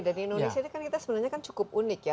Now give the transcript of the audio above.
dan indonesia ini kan kita sebenarnya cukup unik ya